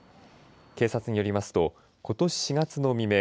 警察によりますとことし４月の未明